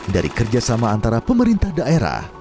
dari kerjasama antara pemerintah daerah